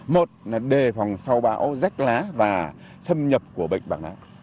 một là đề phòng sau bão rách lá và xâm nhập của bệnh bằng lá